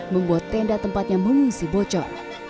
membuat tenda tempatnya mengungsi bocor